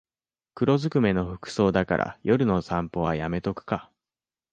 黒ずくめの服装だから夜の散歩はやめとくか